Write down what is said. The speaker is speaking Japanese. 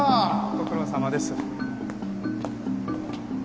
ご苦労さまです。